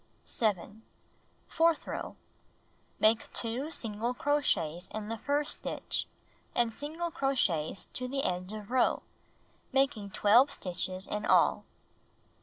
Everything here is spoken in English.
7. Fourth row: Make 2 single crochets in the first stitch and single crochets to the end of row, making 12 stitches in all.